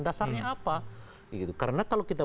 dasarnya apa karena kalau kita